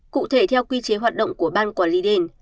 cụ thể theo quy chế hoạt động của ban quản lý đền